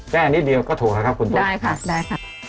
แค่นิดเดียวก็ถูกแล้วครับคุณโจ้ได้ค่ะได้ค่ะ